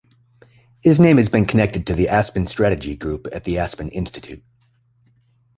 His name has been connected to the Aspen Strategy Group at the Aspen Institute.